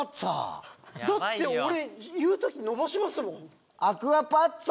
だって俺言う時伸ばしますもん。